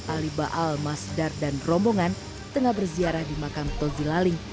ali baal mas dar dan rombongan tengah berziarah di makam togzi laling